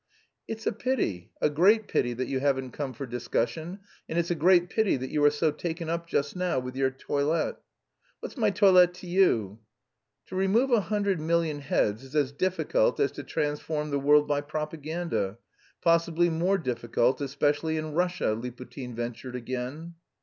"It's a pity, a great pity, that you haven't come for discussion, and it's a great pity that you are so taken up just now with your toilet." "What's my toilet to you?" "To remove a hundred million heads is as difficult as to transform the world by propaganda. Possibly more difficult, especially in Russia," Liputin ventured again.